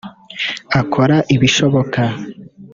akora ibishoboka